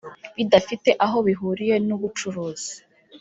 bidafite aho bihuriye n’ubucuruzi